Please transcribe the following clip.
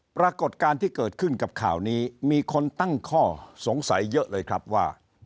ปรากฏการณ์ที่เกิดขึ้นกับข่าวนี้มีคนตั้งข้อสงสัยเยอะเลยครับว่า